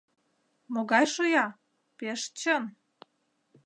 Могай шоя, пеш чын.